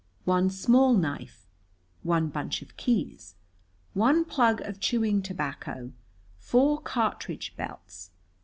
One small knife. One bunch of keys. One plug of chewing tobacco. Four cartridge belts.